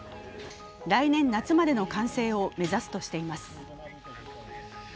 来年夏までの完成を目指すとしています。